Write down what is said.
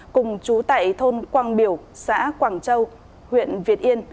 cùng chú tại thôn quang biểu xã quảng châu huyện việt yên